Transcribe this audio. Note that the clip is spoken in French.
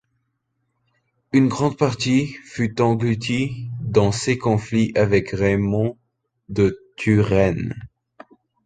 Une grande partie fut engloutie dans ses conflits avec Raymond de Turenne.